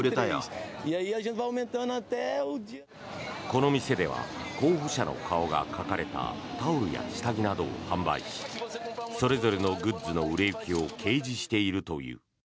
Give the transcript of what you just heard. この店では候補者の顔が描かれたタオルや下着などを販売しそれぞれのグッズの売れ行きを掲示しているという。